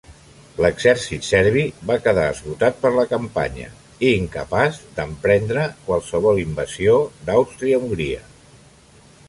L'exèrcit serbi va quedar esgotat per la campanya i incapaç d'emprendre qualsevol invasió d'Àustria-Hongria.